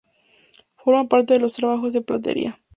Forma parte de los trabajos de platería.